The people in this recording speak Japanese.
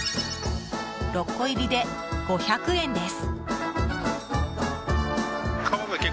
６個入りで５００円です。